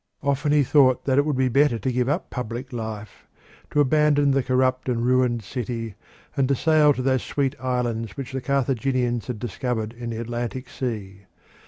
Often he thought that it would be better to give up public life, to abandon the corrupt and ruined city, and to sail to those sweet islands which the Carthaginians had discovered in the Atlantic Sea.